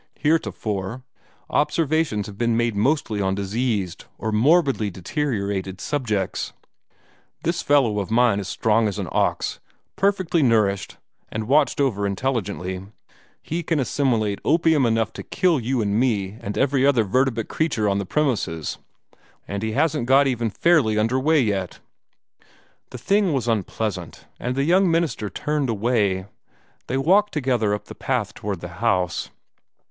Heretofore, observations have been made mostly on diseased or morbidly deteriorated subjects. This fellow of mine is strong as an ox, perfectly nourished, and watched over intelligently. He can assimilate opium enough to kill you and me and every other vertebrate creature on the premises, without turning a hair, and he hasn't got even fairly under way yet." The thing was unpleasant, and the young minister turned away. They walked together up the path toward the house.